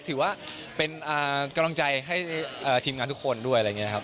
ถือว่าเป็นกำลังใจให้ทีมงานทุกคนด้วยอะไรอย่างนี้ครับ